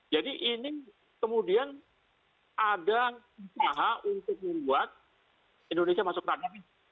jadi ini kemudian ada usaha untuk membuat indonesia masuk ke ranah ini